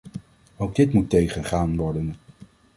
Ook dit moet tegengaan worden.